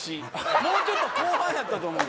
もうちょっと後半やったと思うけど。